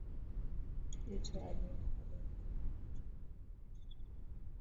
etoo alimtwanga kichwa kifuani beki huyo